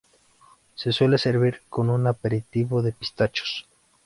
Se suele servir con una aperitivo de pistachos.